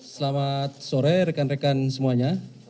selamat sore rekan rekan semuanya